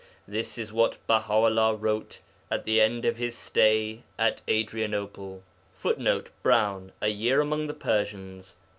This is what Baha 'ullah wrote at the end of his stay at Adrianople: [Footnote: Browne, A Year among the Persians, p.